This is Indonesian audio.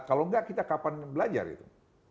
kalau enggak kita kapan belajar itu